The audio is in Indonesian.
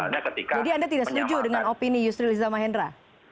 jadi anda tidak setuju dengan opini yusril izzama hendra